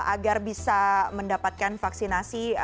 agar bisa mendapatkan vaksinasi